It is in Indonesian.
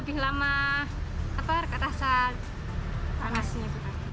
lebih lama ke atas tanah sini